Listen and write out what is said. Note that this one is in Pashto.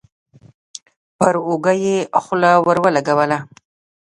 پر اوږه يې خوله ور ولګوله.